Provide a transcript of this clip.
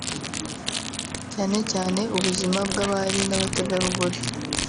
cyane cyane ubuzima bw’abari n’abategarugori